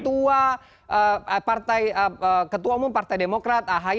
saya mengutip pertanyaan ketua umum partai demokrat ahi